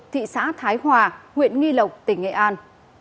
thị xã thái hòa huyện nghi lộc tỉnh nghệ an